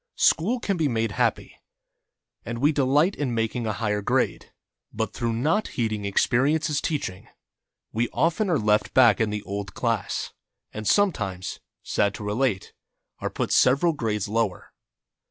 School can be made happy and we delight in making a higher grade — but through not heeding Experience's teaching we often are left back in the old class, and sometimes, sad to relate, are put several grades lower.